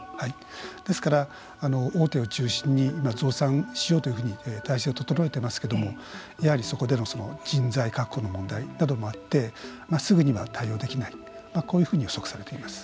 ですから、大手を中心に増産しようというふうに体制を整えていますけれどもやはりそこでの人材確保の問題などもあってすぐには対応できないこういうふうに予測されています。